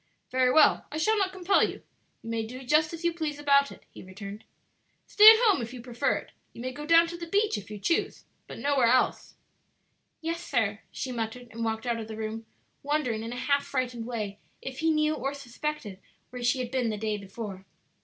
"Very well, I shall not compel you; you may do just as you please about it," he returned. "Stay at home if you prefer it. You may go down to the beach if you choose, but nowhere else." "Yes, sir," she muttered, and walked out of the room, wondering in a half frightened way if he knew or suspected where she had been the day before.